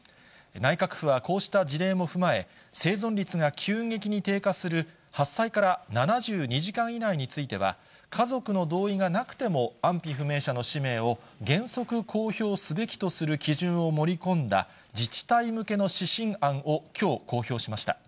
内閣府はこうした事例も踏まえ、生存率が急激に低下する発災から７２時間以内については、家族の同意がなくても、安否不明者の氏名を原則公表すべきとする基準を盛り込んだ、自治体向けの指針案をきょう、公表しました。